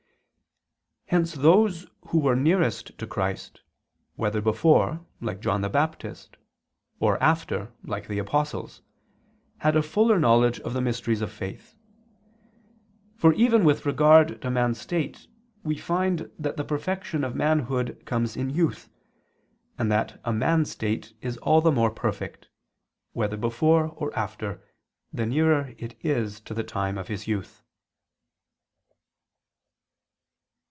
Hence those who were nearest to Christ, whether before, like John the Baptist, or after, like the apostles, had a fuller knowledge of the mysteries of faith; for even with regard to man's state we find that the perfection of manhood comes in youth, and that a man's state is all the more perfect, whether before or after, the nearer it is to the time of his youth.